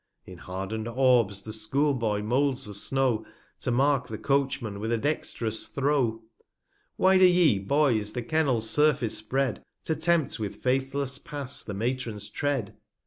In harden'd Orbs the School boy moulds the Snow, To mark the Coachman with a dextrous Throw. Why do ye, Boys, the Kennel's Surface spread, To tempt with faithless Pass the Matron's Tread